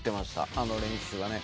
あの練習はね